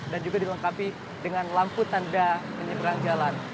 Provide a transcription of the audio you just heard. dan juga dilengkapi dengan lampu tanda penyeberang jalan